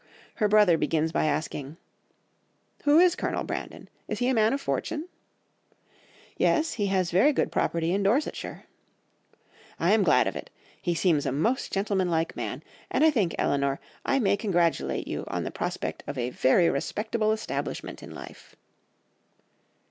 Her brother begins by asking— "'Who is Colonel Brandon? Is he a man of fortune?' "'Yes, he has very good property in Dorsetshire.' "'I am glad of it. He seems a most gentlemanlike man; and I think, Elinor, I may congratulate you on the prospect of a very respectable establishment in life.